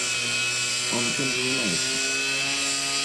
Он чем занимается?